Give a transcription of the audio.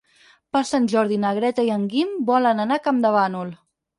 Per Sant Jordi na Greta i en Guim volen anar a Campdevànol.